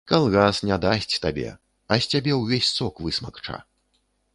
Калгас не дасць табе, а з цябе ўвесь сок высмакча.